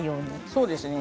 そうですね。